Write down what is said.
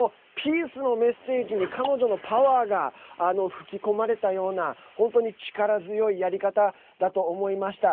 Ｐｅａｃｅのメッセージに彼女のパワーが吹き込まれたような本当に力強いやり方だと思いました。